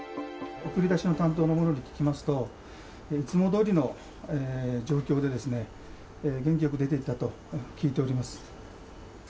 送り出しの担当の者に聞きますと、いつもどおりの状況で、元気よく出ていったと聞いております。